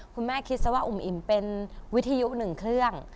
คุณแม่คิดซะว่าอุ่มอิ่มเป็นวิทยุหนึ่งเครื่อง